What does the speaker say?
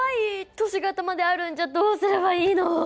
都市型まであるんじゃどうすればいいの。